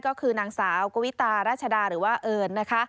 ก็คือนางสาวกวิตารัชดาหรือว่าเอิญนะคะ